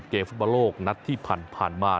เกมฟิฟอฟอร์โรคนัดที่๑๐๐๐พันธมา